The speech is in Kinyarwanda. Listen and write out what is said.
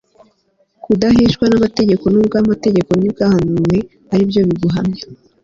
kudaheshwa n'amategeko n'ubwo amategeko n'ibyahanuwe aribyo biguhamya